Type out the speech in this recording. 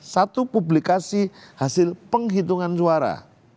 satu publikasi hasil penghitungan suara